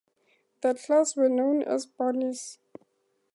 The class were known as 'Barneys'.